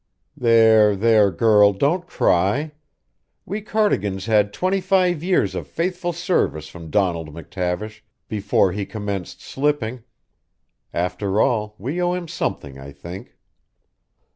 There, there, girl, don't cry. We Cardigans had twenty five years of faithful service from Donald McTavish before he commenced slipping; after all, we owe him something, I think."